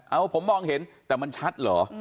เอาผมมองเห็นแต่มันชัดเหรอ